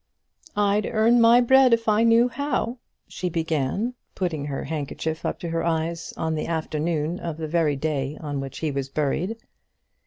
"I'd earn my bread, if I knew how," she began, putting her handkerchief up to her eyes, on the afternoon of the very day on which he was buried.